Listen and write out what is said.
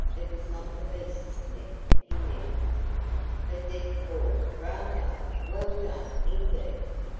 It was not the beast's neck he meant. But Deb called: "Bravo! Well done, indeed!"